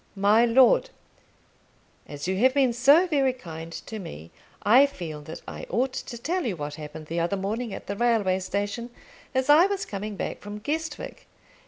MY LORD, As you have been so very kind to me, I feel that I ought to tell you what happened the other morning at the railway station, as I was coming back from Guestwick.